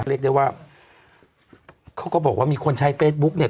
เรียกได้ว่าเขาก็บอกว่ามีคนใช้เฟซบุ๊กเนี่ย